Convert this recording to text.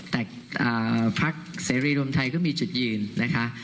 แต่พักเสรีรวมไทยก็มีจุดยืนนะคะ